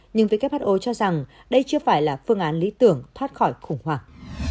nhưng who cho rằng đây chưa phải là phương án lý tưởng thoát khỏi khủng hoảng